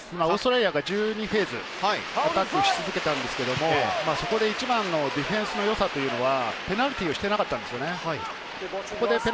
オーストラリアは１２フェーズアタックをし続けたんですけれど、ディフェンスはペナルティーをしていなかったんですよね。